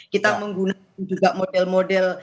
kita menggunakan juga model model